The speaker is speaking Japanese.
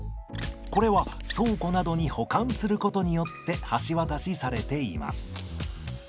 これは倉庫などに保管することによって橋渡しされています。